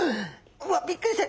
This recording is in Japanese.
うわっびっくりした！